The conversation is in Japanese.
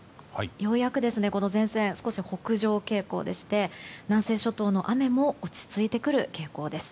ようやくこの前線、少し北上傾向でして南西諸島の雨も落ち着いてくる傾向です。